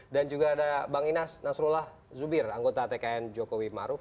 juga ada bang inas nasrullah zubir anggota tkn jokowi maruf